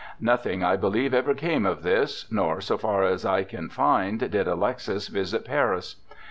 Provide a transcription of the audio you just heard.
Nothing, I believe, ever came of this, nor, so far as I can find, did Alexis visit Paris.